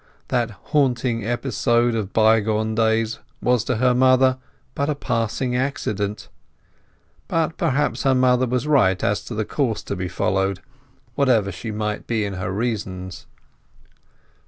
That haunting episode of bygone days was to her mother but a passing accident. But perhaps her mother was right as to the course to be followed, whatever she might be in her reasons.